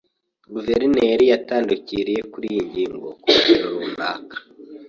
Guverineri yatandukiriye kuri iyo ngingo ku rugero runaka.